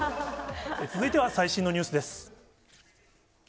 続いては、最新のニュースです。